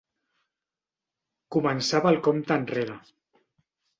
Començava el compte enrere.